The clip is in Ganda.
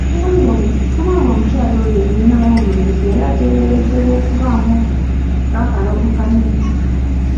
Kubanga omukyala oyo nnyina w'omulenzi yali ateeberezebwa okubaamu olwakalogo kalenzi!